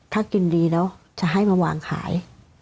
ถ้ากินดีแล้วจะให้มาวางขาย